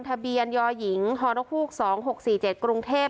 ทะเบียนยอหญิงฮภูกษ์สองหกสี่เจ็ดกรุงเทพ